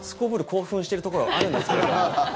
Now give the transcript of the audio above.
興奮してるところはあるんですけれども。